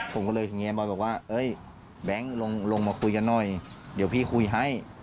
ผมก็เลยเงียบอยบอกว่าแบงค์ลงมาคุยกันหน่อยเดี๋ยวพี่คุยให้